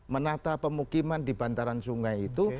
menata pemukiman di bantaran sungai itu